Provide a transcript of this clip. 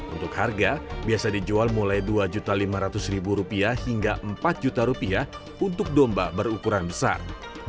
untuk harga biasa dijual mulai rp dua lima ratus rupiah hingga empat juta rupiah untuk domba berukuran besar